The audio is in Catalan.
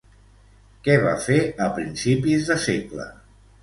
Què va fer a principis de segle?